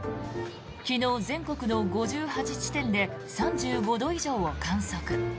昨日、全国の５８地点で３５度以上を観測。